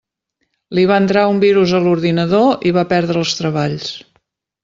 Li va entrar un virus a l'ordinador i va perdre els treballs.